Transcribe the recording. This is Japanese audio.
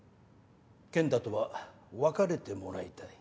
健太とは別れてもらいたい。